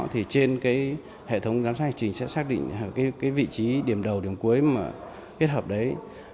thì trên hệ thống giám sát hành trình sẽ xác định vị trí điểm đầu điểm cuối kết hợp đấy